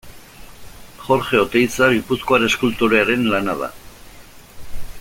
Jorge Oteiza gipuzkoar eskultorearen lana da.